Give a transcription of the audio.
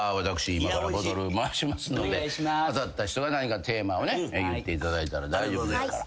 今からボトル回しますので当たった人が何かテーマをね言っていただいたら大丈夫ですから。